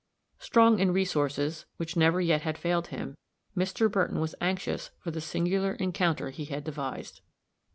Strong in resources which never yet had failed him, Mr. Burton was anxious for the singular encounter he had devised.